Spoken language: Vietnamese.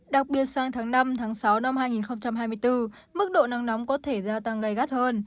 đặc biệt sang tháng năm tháng sáu năm hai nghìn hai mươi bốn mức độ nắng nóng có thể gia tăng gây gắt hơn